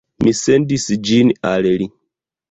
Mi sendis ĝin al li